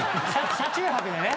車中泊でね。